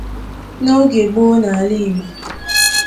N'oge gboo n'ala Igbo